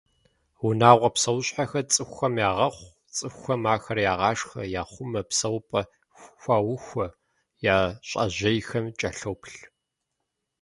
Унагъуэ псэущхьэхэр цӏыхухэм ягъэхъу, цӏыхухэм ахэр ягъашхэ, яхъумэ, псэупӏэ хуаухуэ, я щӏэжьейхэм кӏэлъоплъ.